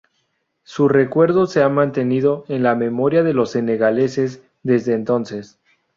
Su recuerdo se ha mantenido en la memoria de los senegaleses desde entonces.